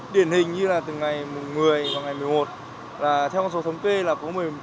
điển hình như là từ ngày một mươi và ngày một mươi một là theo con số thống kê là có một mươi một